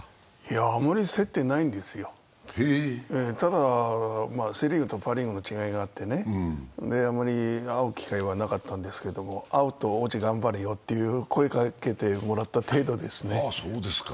あまり接点ないんですよ、ただセ・リーグとパ・リーグの違いがあってあまり会う機会はなかったんですが、会うと、落合頑張れよと声をかけてもらった程度ですね。